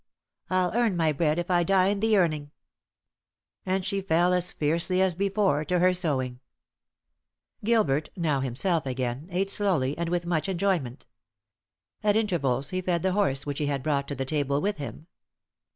I'll earn my bread, if I die in the earning." And she fell as fiercely as before to her sewing. Gilbert, now himself again, ate slowly and with much enjoyment. At intervals he fed the horse which he had brought to the table with him.